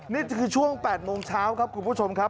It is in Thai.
นี่คือช่วง๘โมงเช้าครับคุณผู้ชมครับ